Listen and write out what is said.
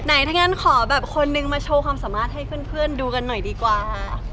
ถ้างั้นขอแบบคนนึงมาโชว์ความสามารถให้เพื่อนดูกันหน่อยดีกว่า